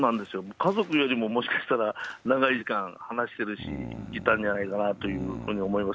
家族よりももしかしたら長い時間、話してるし、いたんじゃないかなというふうに思います。